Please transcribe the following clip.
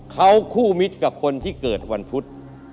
เขาคู่มิตรกับคนที่เกิดวันพุธ